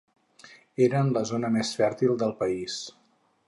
Era en la zona més fèrtil del país.